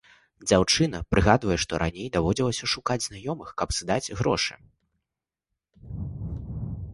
Дзяўчына прыгадвае, што раней даводзілася шукаць знаёмых, каб здаць грошы.